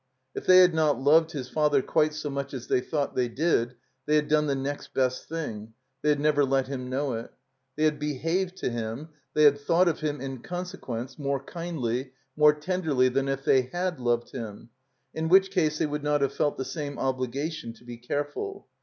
If they had not loved his father quite so much as they thought they did, they had done the next best thing; they had never let him know it. TTiey had behaved to him, they had thought of him, in consequence, more kindly, more tenderly than if they had loved him; in which case they would not have felt the same obligation to be careful.